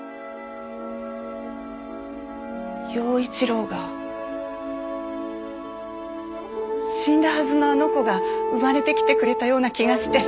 耀一郎が死んだはずのあの子が生まれてきてくれたような気がして私。